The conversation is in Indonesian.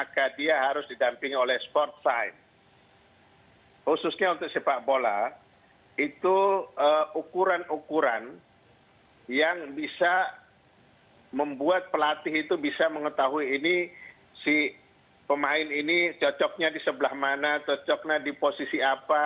khususnya untuk sepak bola itu ukuran ukuran yang bisa membuat pelatih itu bisa mengetahui ini si pemain ini cocoknya di sebelah mana cocoknya di posisi apa